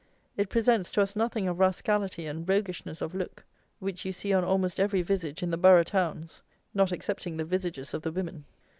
It presents to us nothing of rascality and roguishness of look which you see on almost every visage in the borough towns, not excepting the visages of the women.